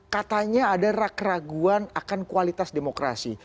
katanya ada keraguan akan kualitas demokrasi